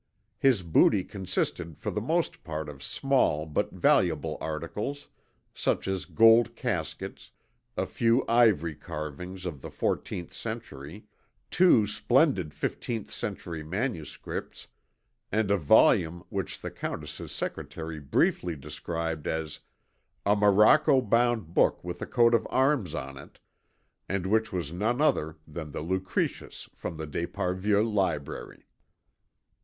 His booty consisted for the most part of small but valuable articles, such as gold caskets, a few ivory carvings of the fourteenth century, two splendid fifteenth century manuscripts, and a volume which the Countess's secretary briefly described as "a morocco bound book with a coat of arms on it," and which was none other than the Lucretius from the d'Esparvieu library.